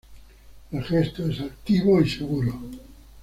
El gesto es altivo y seguro.